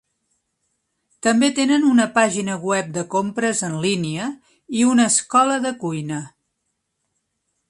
També tenen una pàgina web de compres en línia i una "escola de cuina".